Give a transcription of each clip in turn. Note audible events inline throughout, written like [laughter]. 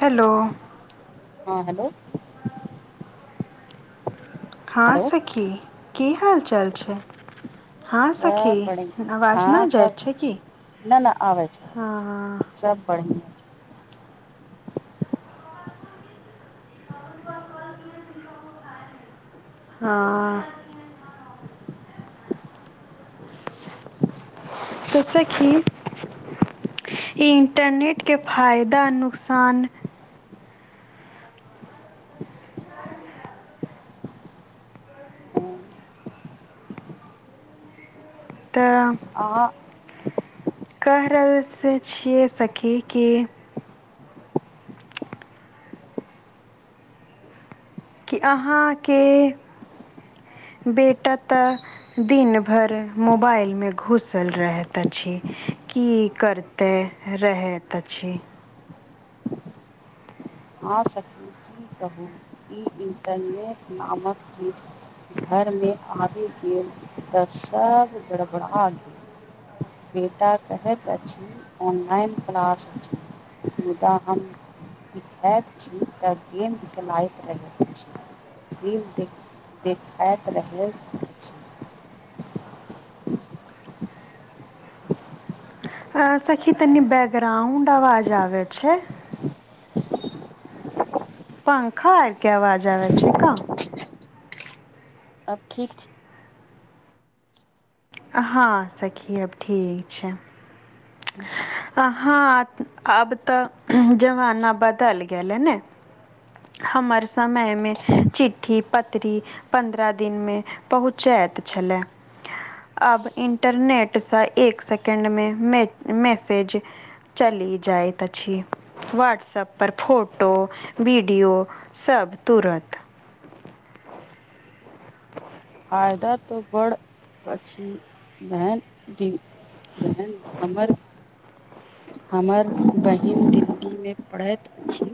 Hello हॅ hello हाॅं hello सखी की हाल चाल छै? हाॅं सखी सब अवाज ना जायत छै की? न न आबइ छै आबइ छै सब बढ़ियां [unintelligible] हॅं तो सखी इन्टरनेटके फायदा नुकसान छै तऽ आहाॅं कहि रहल छियै सखी कि कि अहाँके बेटा तऽ दिन भर मोबाइलमे घुसल रहैत अछि की करते रहैत अछि? हॅं सखी की कहू ई इन्टरनेट नामक चीज घर मे आबी गेल तऽ सब गड़बड़ा गे बेटा कहैत अछि ऑनलाइन क्लास अछि मुदा हम ऐत छी तऽ गेम खेलाइत रहैत अछी रील देख देखाइत रहेल हाॅं सखी तनी बैकग्राउंड अवाज आबे छै पंखा आरके अवाजबे छै क? आब ठीक छै हाॅं सखी अब ठीक छै। हँ तऽ आब तऽ जमाना बदल गेलै ने हमर समयमे चिठ्ठी पतरी पन्द्रह दिन मे पहुँचैत छलए अब इंटरनेटसँ एक सेकंड मे मै मैसेज चली जाइत अछि व्हाट्सप पर फोटो वीड विडियो सब तुरत फायदा तऽ बढ़ अछि मैन दी तहेन हमर हमर बहिन दिल्लीमे पढैत अछि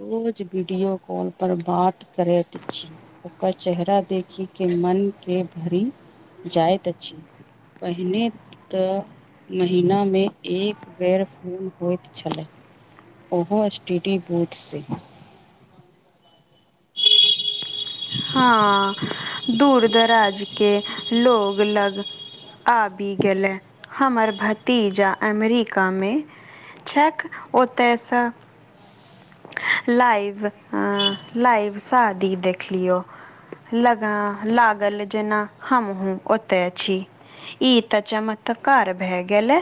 रोज वीडियो कॉल पर बात करे किछ ओकर चेहरा देखि के मनके भरि जाइत अछि। पहिने त महिनामे एक बेर फोन होइत छले ओहो एसटीडी बूथ से। हँ दूर दराज के लोग लग। आबि गेलै हमर भतीजा अमेरिकामे। छैथ ओतै स लाइव-लाइव शादी देखलियौ। लग लागल जेना हमहुं ओतहि छी। ई त चमत्कार भए गेले।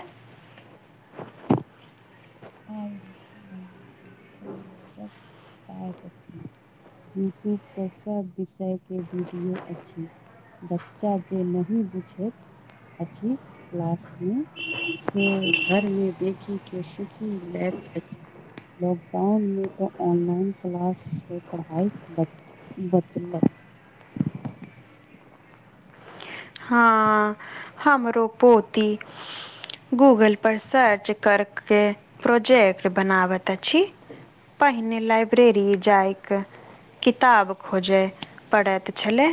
आइ आइ तऽ बड़ मदद यूट्यूबपर सब विषयके वीडियो अछि। बच्चा जे नहि बुझैत अछि। क्लास मे से घरमे देखीके सीखी लैत अछि। लॉकडाउनमे तो ऑनलाइन क्लाास से पढ़ाई बच बचल लए। हँ, हमरो पोती। गूगलपर सर्च करके प्रोजेक्ट बनाबैत अछि। पहिने लाइब्रेरी जाइक किताब खोजे पड़त छलय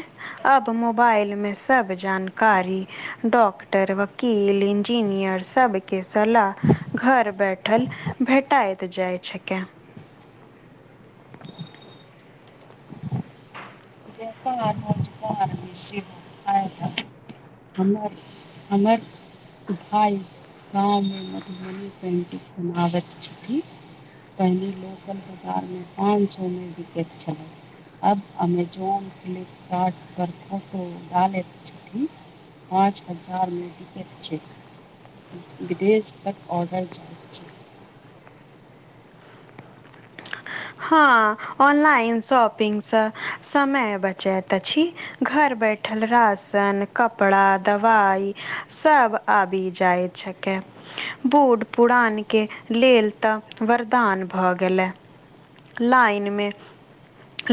अब मोबाइल मे सब जानकारी डॉक्टर, वकील, इंजीनियर सबके सलाह घर बैठल भेटाइत जाइ छिके। इक आरचिक आर बस आत [unintelligible] हमरा, हमरा। भाइ गाँवमे मधुबनी पेन्टिंग बनाबैत छथिन। पहिने लोकल बाजार मे पाँच सए मे बिकैत छलै आब अमे जोन फ्लिपकार्ट पर फोटो डालैत छथिन। पाँच हजारमे बिकैत छै। विदेश तक ऑर्डर जाइत छै। हँ, ऑनलाइन शॉपिंगसँ समय बचैत अछि। घर बैठल राशन कपड़ा दवाई सब आबि जाइ्छकेै। बूढ़ पुरानके लेल त वरदान भ गेले। लाइन मे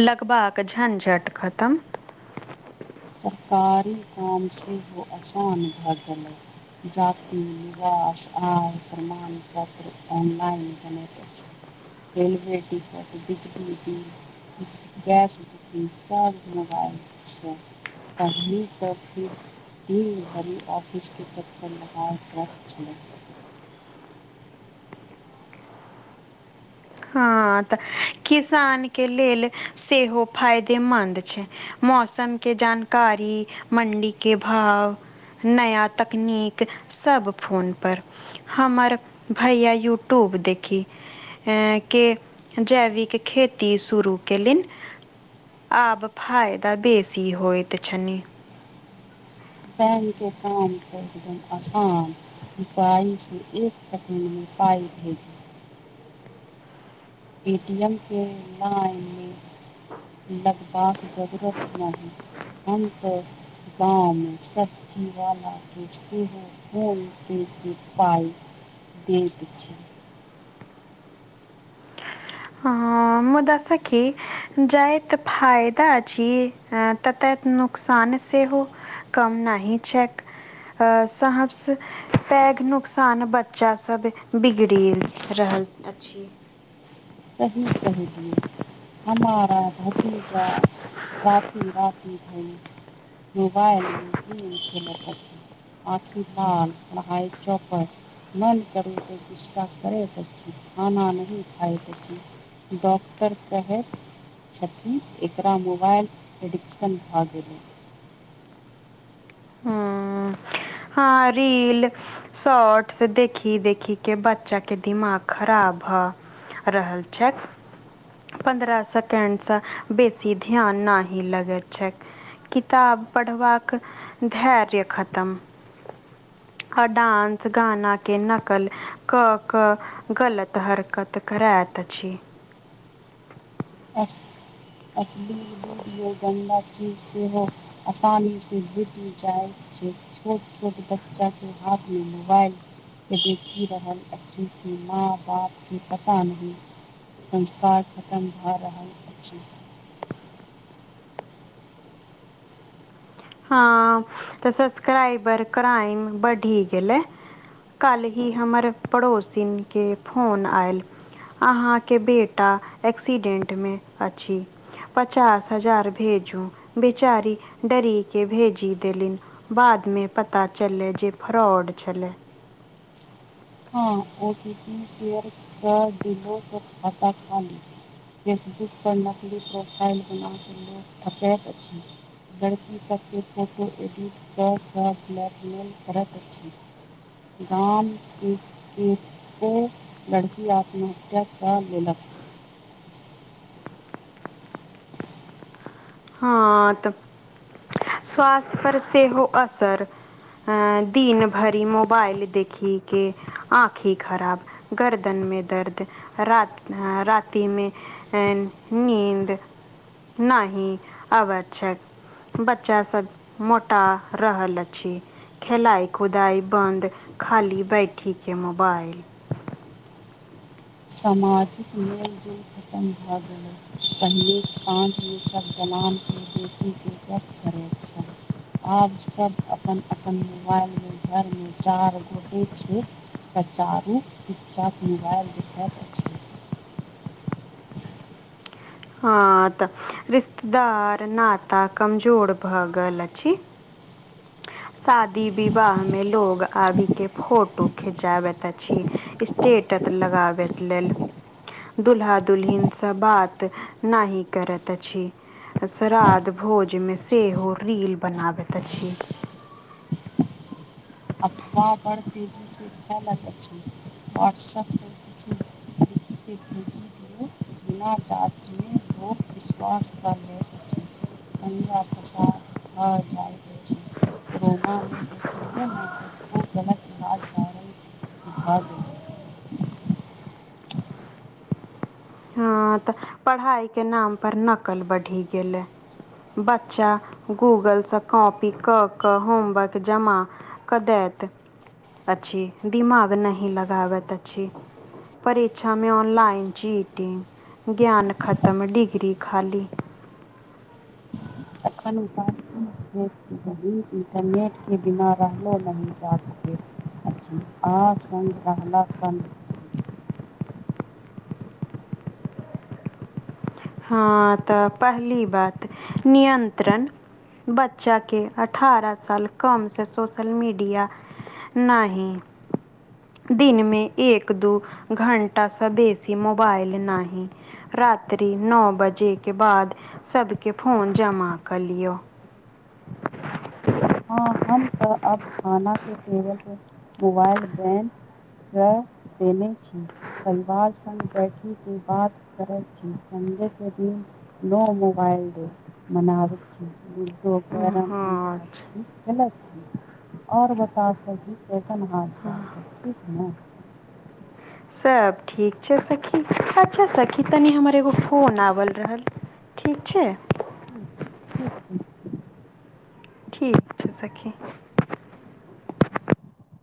लगबाक झंझट खतम। सरकारी काम सेहो आसान भ गेलै। जाति, आवास और प्रमाणपत्र ऑनलाइन कर [inaudible] रेल बेटी कट बिजली बिल गैस बुकिंग सभ मोबाइलसँ पढ़ले त फिर भी भरि ऑफिस के चक्कर लगाए रखै छल। हँ, त किसान के लेल सेहो फायदेमन्द छै। मौसम के जानकारी, मण्डी के भाव नया तकनीक सभ फोनपर। हमर भैया यूट्यूब देखी है, के जैविक खेती शुरू कयलनि आब फायदा बेसी होइत छनि। बैंक के काम तऽ एकदम आसान पइसँ एक सेकेण्डमे पाइ भेज ऐटीएम के लाइनमे लगबाक जरूरत नाहि। हम तऽ गाँव मे सब्जीवाला के सेहो फोन पे से पाइ देत छी। हँ, मुदा सखी जाएते फायदा अछी हैं ततयत नुकसान सेहो कम नाहि छैक आ सबसे पैघ नुकसान बच्चा सब बिगड़ि रहल अछि। सही कहेलियै। हमारा भतीजा राती-राती भईर मोबाइल में गेम खेलत अछि। आंखी लाल पढाइ चौपट मन करू तऽ गुस्सा करैत अछि खाना नहि खाइत अछि। डॉक्टर कहैत छथिन एकरा मोबाइल एडिक्शन भऽ गेलै हूँ, हँ रील शॉट्स देखी देखीके बच्चा के दिमााग खराब भ रहल छथि। पन्द्रह सेकडसँ बेसी ध्यान ना ही लगैत छै। किताब पढ़बाक धैर्य खतम आ डांस गाना के नकल कऽ कऽ गलत हरकत करैत अछी। अश्लील वीडियो गन्दा चीज सेहो आसानी से भेटी जाइ छै छोट छोट बच्चा के हाथ मे मोबाइल की देखी रहल अछि से माँ बापके पता नहि संस्कार खतम भए रहल अछि। हँ तऽ सबस्क्राइबर क्राइम बढि गेलै कल्हि हमर पड़ोसिनके फोन आयल अहाँके बेटा एक्सीडेंटमे अछि। पचास हजार भेजू बेचारी डरी के भेजी देलिन बादमे पता चललय जे फ्रॉड छलय हँ ओ टी पी शेयर क दिलो त खाता खाली फेसबुक पर नकली प्रोफाइल बना के लोक ठकैत अछि। लड़की सभके फोटो एडिट कऽ क ब्लैकमेल करत अछि। गाम एक लड़की आत्महत्या कर लेलक। हँ तऽ स्वास्थ पर सेहो असर हाॅं दिनभरि मोबाइल देखिक के आँखि खराब गर्दन मे दर्द रात राति मे नींद नाहि आबैत छै बच्चा सब मोटा रहल अछि। खेलाई कुदाई बन्द खाली बैठी के मोबाइल सामाजिक मेलजल खतम भ गेलै। पहिले साँझमे सब दलानके बेसी के वक्त धरल छल। आब सब अपन-अपन मुबाएल मे घरमे चार गोटे छै। आ चारु अच्छा से मुबाएल देखत अछि। [inaudible] हां तऽ रिश्तेदार नाता कमजोर भऽ गेल अछि। शादी-विवाह मे लोग आबी के फोटो खिंचाबैत अछि। स्टेटत लगाबैत लेल। दुल्हा दुलहिन से बात नाहि करत अछि। अ श्राद्ध भोज मे सेहो रील बनाबैत अछि। वा बड़ तेजी से फैलत अछि वाट्सअप किछु लिख के भेजी। लोक बिना जाँचमे लोक विश्वास कऽ लैत अछि। दंगा फसाद भ जाय अछि, कोरोना मे देख लिये नै कतबो गलत [unintelligible] भ गेलै। हां तऽ पढ़ाई के नाम पर नकल बढ़ि गेलै। बच्चा गूगल से कॉपी क क होमवक जमा क दैत अछि, दिमाग नहि लगाबत अछि। परीक्षामे ऑनलाइन चीटिंग, ज्ञान खत्म डिग्री खाली। एखन उपाय ई छै यदि इन्टरनेटके बिना रहलो नहि जा सकैत अछि आ संग रहला सन हां तऽ पहली बात नियन्त्रण बच्चा के अठारह साल कम से सोशल मीडिया नहि दिन में एक दु घंटा से बेसी मुबाएल नहि रात्रि नौ बजेके बाद सबके फोन जमा कऽ लियौ। हां हम तऽ अब खाना के टेबल पे मुबाएल बैन काय देने छी। परिवार संग बैठी के बात करै छी, संडे के दिन नो मुबाएल डे मनाबैत छी, लूडो, कैरम, अन्तरा खेलैत छी और बताउ सखी कैसन हाल-चाल सब ठीक नै। सब ठीक छै सखी, अच्छा सखी तनि हमर एगो फोन आवल रहल। ठीक छै। हुं ठीक छै। ठीक छै सखी।